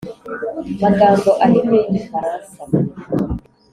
magambo ahinnye y Igifaransa